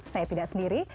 saya tidak sendiri